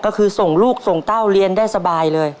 ก็คือส่งลูกส่งเต้าเรียนได้สบายเลย